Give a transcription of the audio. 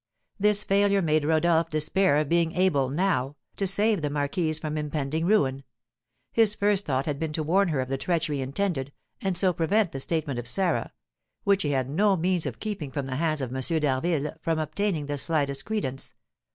This failure made Rodolph despair of being able, now, to save the marquise from impending ruin; his first thought had been to warn her of the treachery intended, and so prevent the statement of Sarah, which he had no means of keeping from the hands of M. d'Harville, from obtaining the slightest credence.